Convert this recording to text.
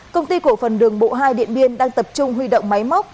công ty cổ phần đường bộ hai điện biên đang tập trung huy động máy móc